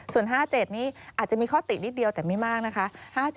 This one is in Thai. ส่วน๕๗นี้อาจจะมีข้อตินิดเดียวแต่ไม่มากนะคะ